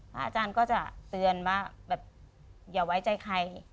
อาจารย์ก็จะเตือนว่าแบบอย่าไว้ใจใคร